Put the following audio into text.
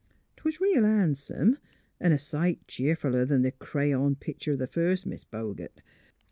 'Twas real han'some, 'n' a sight cheerfuller 'n' th' crayon pictur' o' th' first Mis' Bogert.